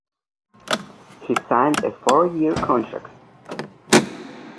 He signed a four-year contract.